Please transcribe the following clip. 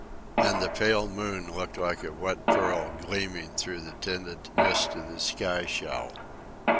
And the pale moon looked like a wet pearl gleaming through the tinted mist of the sky shell.